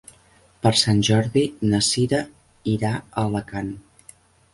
Per Sant Jordi na Cira irà a Alacant.